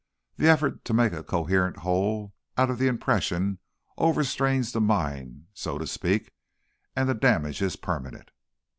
The effort to make a coherent whole out of the impression overstrains the mind, so to speak, and the damage is permanent."